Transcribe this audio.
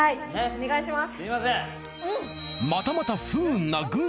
お願いします。